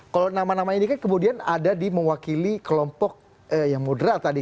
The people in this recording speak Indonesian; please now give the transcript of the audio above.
kalau nama nama ini kan kemudian ada di mewakili kelompok yang mudera tadi